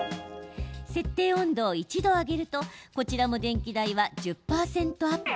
設定温度を１度上げるとこちらも電気代は１０％アップ。